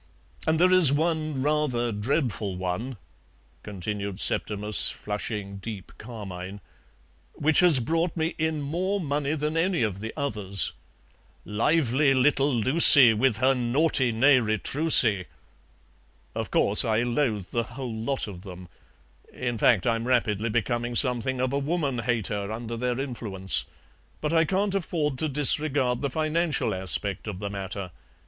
And there is one rather dreadful one," continued Septimus, flushing deep carmine, "which has brought me in more money than any of the others: 'Lively little Lucie With her naughty nez retroussé.' Of course, I loathe the whole lot of them; in fact, I'm rapidly becoming something of a woman hater under their influence, but I can't afford to disregard the financial aspect of the matter.